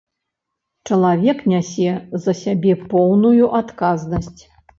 Чалавек нясе за сябе поўную адказнасць.